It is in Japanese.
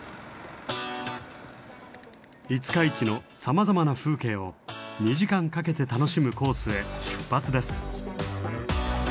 五日市のさまざまな風景を２時間かけて楽しむコースへ出発です。